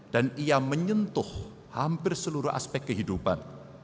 dan ia menyentuh hampir seluruh aspek kehidupan